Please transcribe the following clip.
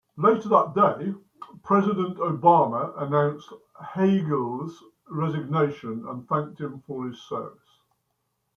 Later that day, President Obama announced Hagel's resignation and thanked him for his service.